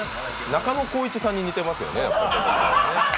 中野浩一さんに似てますよね。